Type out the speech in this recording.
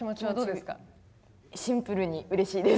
シンプルにうれしいです。